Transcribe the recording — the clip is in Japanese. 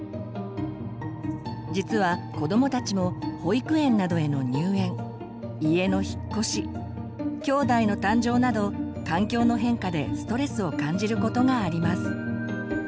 実は子どもたちも保育園などへの入園家の引っ越しきょうだいの誕生など環境の変化でストレスを感じることがあります。